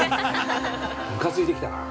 むかついてきたな。